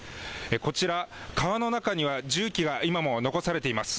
こちら、川の中には重機が今も残されています。